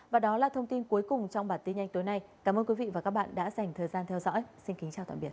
và đó là thông tin cuối cùng trong bản tin nhanh tối nay cảm ơn quý vị và các bạn đã dành thời gian theo dõi xin kính chào tạm biệt